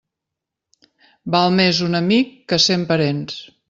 Val més un amic que cent parents.